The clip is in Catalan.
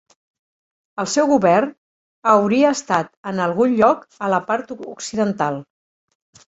El seu govern hauria estat en algun lloc a la part occidental.